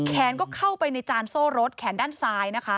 แขนก็เข้าไปในจานโซ่รถแขนด้านซ้ายนะคะ